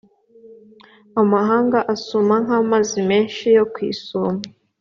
amahanga asuma nk’amazi menshi yo ku isumo